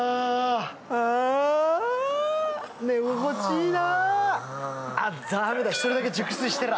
寝心地いいな。